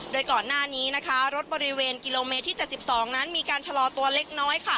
โดยก่อนหน้านี้นะคะรถบริเวณกิโลเมตรที่๗๒นั้นมีการชะลอตัวเล็กน้อยค่ะ